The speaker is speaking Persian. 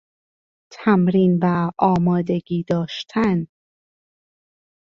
تمرین و آمادگی داشتن